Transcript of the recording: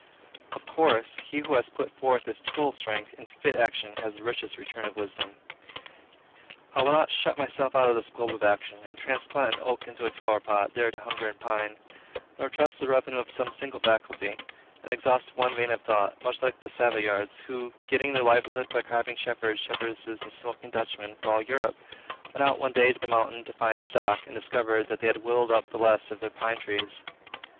Of course, he who has put forth his total strength in fit actions, has the richest return of wisdom. I will not shut myself out of this globe of action, and transplant an oak into a flower pot, there to hunger and pine; nor trust the revenue of some single faculty, and exhaust one vein of thought, much like those Savoyards, who, getting their livelihood by carving shepherds, shepherdesses, and smoking Dutchmen, for all Europe, went out one day to the mountain to find stock, and discovered that they had whittled up the last of their pine trees.